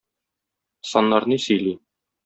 Саннар ни сөйли?